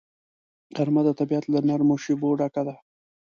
غرمه د طبیعت له نرمو شیبو ډکه ده